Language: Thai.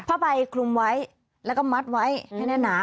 ผ้าใบคลุมไว้แล้วก็มัดไว้ให้แน่นหนา